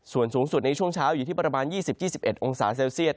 ส่วนสูงสุดในช่วงเช้าอยู่ที่ประมาณ๒๐๒๑องศาเซลเซียต